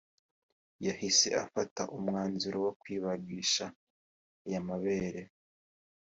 yahise afata umwanzuro wo kwibagisha aya mabere